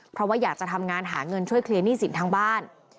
เพราะว่าอยากจะทำงานหาเงินช่วยเคลียร์หนี้สินทั้งบ้าน